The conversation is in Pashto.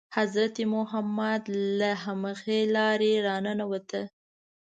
حضرت محمد له همغې لارې را ننووت.